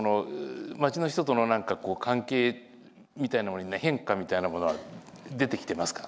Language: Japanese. まちの人との何かこう関係みたいなものに変化みたいなものは出てきてますか？